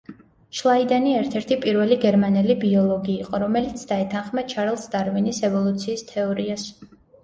შლაიდენი ერთ-ერთი პირველი გერმანელი ბიოლოგი იყო, რომელიც დაეთანხმა ჩარლზ დარვინის ევოლუციის თეორიას.